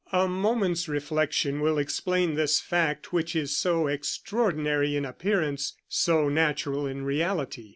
A moment's reflection will explain this fact which is so extraordinary in appearance, so natural in reality.